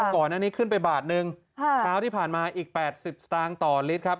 ก่อนอันนี้ขึ้นไปบาทหนึ่งค่ะคราวที่ผ่านมาอีกแปดสิบต่างต่อลิตรครับ